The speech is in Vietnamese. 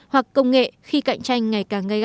hoặc công nghệ khi cạnh tranh ngày càng gây gắt